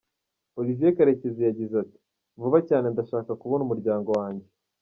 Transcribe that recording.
Olivier Karekezi yagize ati: “Vuba cyane ndashaka kubona umuryango wanjye” .